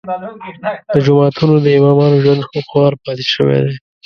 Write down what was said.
د جوماتونو د امامانو ژوند هم خوار پاتې شوی دی.